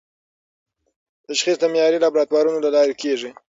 تشخیص د معیاري لابراتوارونو له لارې کېږي.